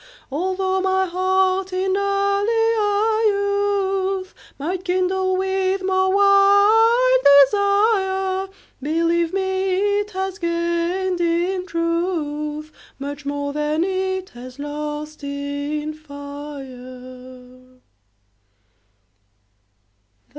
Altho' my heart in earlier youth Might kindle with more wild desire, Believe me, it has gained in truth Much more than it has lost in fire.